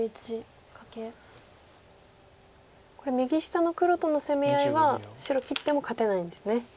これ右下の黒との攻め合いは白切っても勝てないんですね。